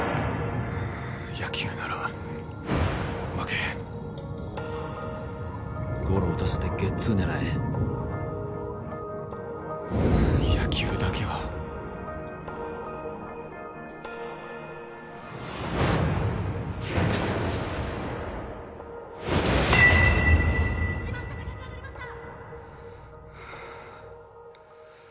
野球なら負けへんゴロを打たせてゲッツー狙え野球だけは打ちました高く上がりました！